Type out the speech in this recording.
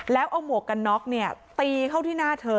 แล้วเอาหมวกกันน็อกเนี่ยตีเข้าที่หน้าเธอ